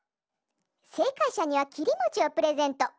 せいかいしゃにはきりもちをプレゼント。